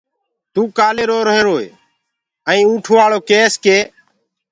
توٚ ڪآلي روهيروئي ائيٚنٚ اُنٚٺ وآݪو ڪيس ڪي